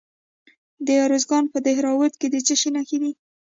د ارزګان په دهراوود کې د څه شي نښې دي؟